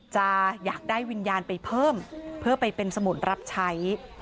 จะอยากได้วิญญาณไปเพิ่มเพื่อไปเป็นสมุนรับใช้